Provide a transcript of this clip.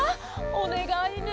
おねがいね。